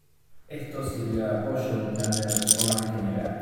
Esto sirvió de apoyo a un plan de reforma general.